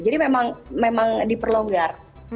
jadi memang diperlonggar